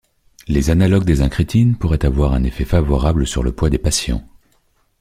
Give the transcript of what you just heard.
Les analogues des incrétines pourraient avoir un effet favorable sur le poids des patients.